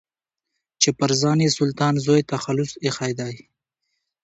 چې پر ځان يې سلطان زوی تخلص ايښی دی.